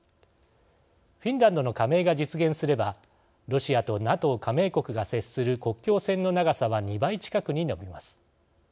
フィンランドの加盟が実現すればロシアとＮＡＴＯ加盟国が接する国境線の長さは２倍近くに伸びます。